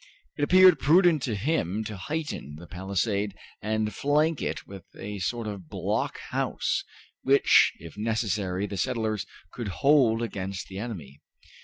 It appeared prudent to him to heighten the palisade and to flank it with a sort of blockhouse, which, if necessary, the settlers could hold against the enemy.